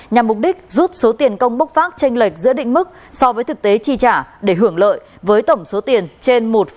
nhằm mục đích rút số tiền công bốc phát tranh lệch giữa định mức so với thực tế chi trả để hưởng lợi với tổng số tiền trên một tỷ đồng